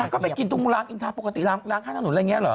ก็ไปกินตรงรามอินทาปกติล้างข้างถนนอะไรอย่างนี้เหรอ